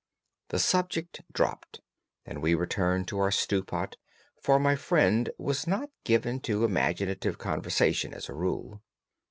The subject dropped and we returned to our stew pot, for my friend was not given to imaginative conversation as a rule.